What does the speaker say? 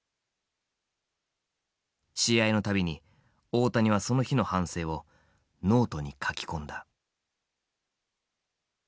試合の度に大谷はその日の反省をノートに書き込んだ。